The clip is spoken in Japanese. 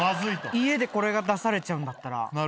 家でこれが出されちゃうんだったら。